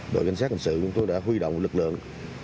đội cảnh sát hành sự cũng đã huy động lực lượng